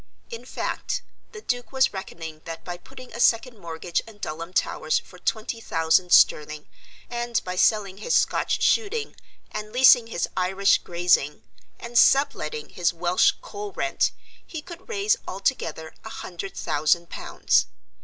In fact, the Duke was reckoning that by putting a second mortgage on Dulham Towers for twenty thousand sterling, and by selling his Scotch shooting and leasing his Irish grazing and sub letting his Welsh coal rent he could raise altogether a hundred thousand pounds.